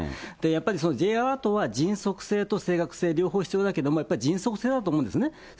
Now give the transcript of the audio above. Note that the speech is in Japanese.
やっぱりＪアラートは迅速性と正確性、両方必要だけれども、やっぱり迅速性だと思うんですね。